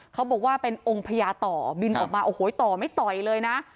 เขาบอกว่าเป็นองค์พญาต่อบินออกมาโอ้โหต่อไม่ต่อยเลยนะ